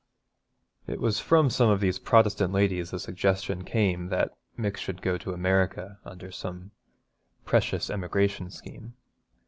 It was from some of these Protestant ladies the suggestion came that Mick should go to America under some precious emigration scheme.